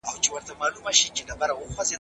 ناروغ خاوند ته د ښځې نږدې والی ډېر مهم دی.